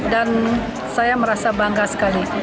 saya merasa bangga sekali